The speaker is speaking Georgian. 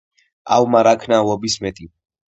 ავმა რა ქნა ავობის მეტი